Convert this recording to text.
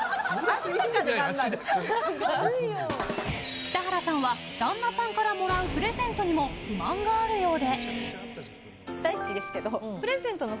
北原さんは旦那さんからもらうプレゼントにも不満があるようで。